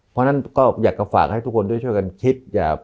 เพราะฉะนั้นก็อยากจะฝากให้ทุกคนได้ช่วยกันคิด